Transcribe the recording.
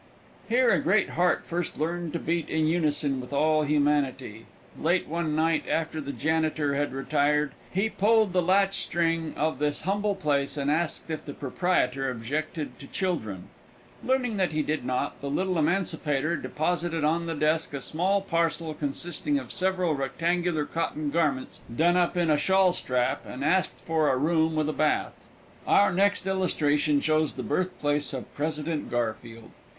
Here a great heart first learned to beat in unison with all humanity. Late one night, after the janitor had retired, he pulled the latch string of this humble place and asked if the proprietor objected to children. Learning that he did not, the little emancipator deposited on the desk a small parcel consisting of several rectangular cotton garments done up in a shawl strap, and asked for a room with a bath. Our next illustration shows the birthplace of President Garfield.